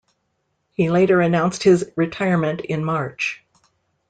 He later announced his retirement in March.